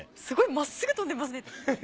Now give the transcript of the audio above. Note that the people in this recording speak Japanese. すごいまっすぐ飛んでますね。